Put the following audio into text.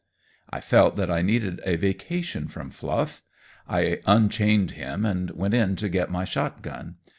I felt that I needed a vacation from Fluff. I unchained him and went in to get my shotgun.